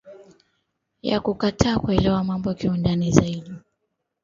ya kutaka kuelewa mambo kiundani zaidi